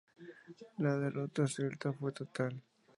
La derrota celta fue total.